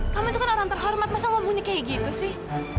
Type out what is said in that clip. kamu itu kan orang terhormat masa kamu ini kayak gitu sih